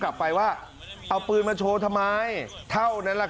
เขาเล่าบอกว่าเขากับเพื่อนเนี่ยที่เรียนกรสนด้วยกันเนี่ยไปสอบที่โรงเรียนปลูกแดงใช่ไหม